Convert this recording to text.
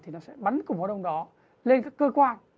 thì nó sẽ bắn củng bó đông đó lên các cơ quan